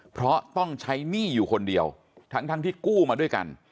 เพราะต้องใช้หนี้อยู่คนเดียวทั้งที่กู้มาด้วยกัน